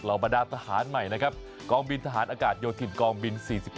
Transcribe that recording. เรามาดาบทหารใหม่นะครับกองบินทหารอากาศยนต์กองบิน๔๖